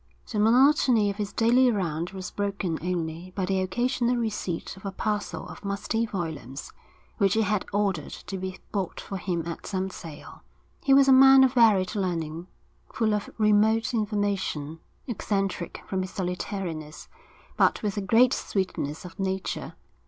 The monotony of his daily round was broken only by the occasional receipt of a parcel of musty volumes, which he had ordered to be bought for him at some sale. He was a man of varied learning, full of remote information, eccentric from his solitariness, but with a great sweetness of nature.